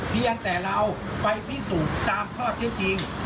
เพียงแต่เราไปพิสูจน์ตามข้อที่จริง